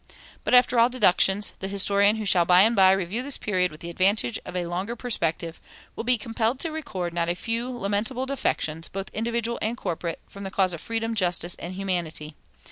But after all deductions, the historian who shall by and by review this period with the advantage of a longer perspective will be compelled to record not a few lamentable defections, both individual and corporate, from the cause of freedom, justice, and humanity.